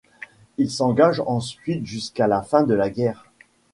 Il s'engage ensuite jusqu'à la fin de la guerre.